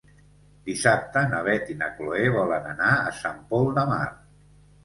Dissabte na Beth i na Chloé volen anar a Sant Pol de Mar.